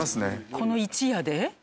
この一夜で！？